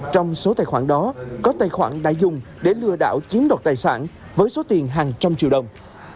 trong số tài khoản đó có tài khoản đại dùng để lừa đảo chiếm đoạt tài sản với số tiền hàng trăm triệu đồng